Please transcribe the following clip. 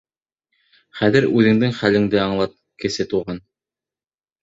Хәҙер үҙеңдең хәлеңде аңлат, Кесе Туған.